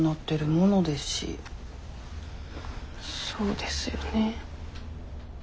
そうですよね。